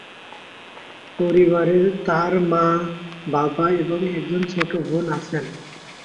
পরিবারে তাঁর মা, বাবা এবং একজন ছোট বোন আছেন।